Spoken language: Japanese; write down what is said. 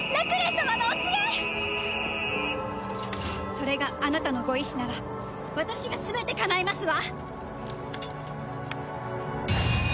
それがあなたのご意志なら私が全てかなえますわ！